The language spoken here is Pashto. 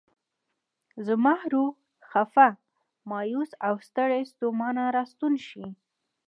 زما روح خفه، مایوس او ستړی ستومان راستون شي.